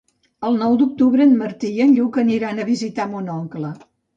El nou d'octubre en Martí i en Lluc aniran a visitar mon oncle.